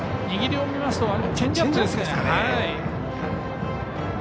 握りを見ますとチェンジアップですかね。